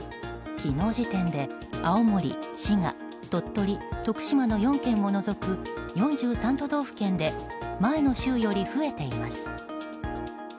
昨日時点で、青森、滋賀鳥取、徳島の４県を除く４３都道府県で前の週より増えています。